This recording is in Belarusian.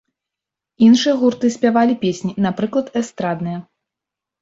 Іншыя гурты спявалі песні, напрыклад, эстрадныя.